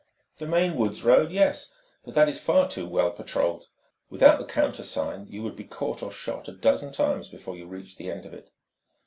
"The main woods road, yes: but that is far too well patrolled. Without the countersign, you would be caught or shot a dozen times before you reached the end of it."